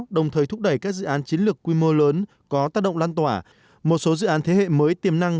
đồng thời thúc đẩy các dự án chiến lược quy mô lớn có tác động lan tỏa một số dự án thế hệ mới tiềm năng